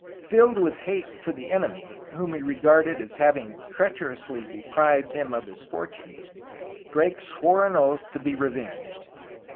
Filled with hate for the enemy whom he regarded as having treacher ously deprived him of his fortune, Drake swore an oath to be revenged.